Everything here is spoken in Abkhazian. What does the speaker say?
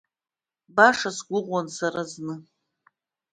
Баша сгәыӷуан сара зны…